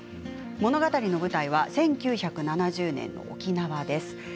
物語の舞台は１９７０年の沖縄です。